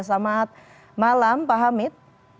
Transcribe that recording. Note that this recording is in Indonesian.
selamat malam pak hamid